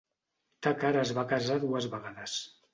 Tucker es va casar dues vegades.